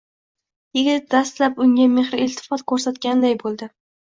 Yigit dastlab unga mehr-iltifot koʻrsatganday boʻldi